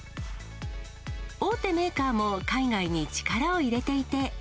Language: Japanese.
大手メーカーも海外に力を入れていて。